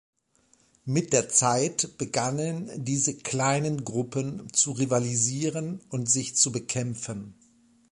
Mit der Zeit begannen diese kleinen Gruppen zu rivalisieren und sich zu bekämpfen.